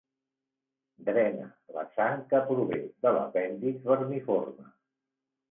Drena la sang que prové de l'apèndix vermiforme.